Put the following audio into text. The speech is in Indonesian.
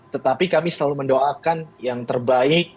tetapi kami selalu mendoakan yang terbaik